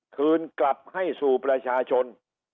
คืนกลับให้สู่ประชาชน